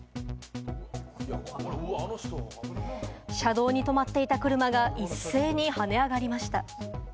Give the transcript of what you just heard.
車道に止まっていた車が一斉に跳ね上がりました。